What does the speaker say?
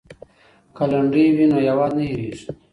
که لنډۍ وي نو هیواد نه هیریږي.